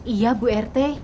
iya bu rt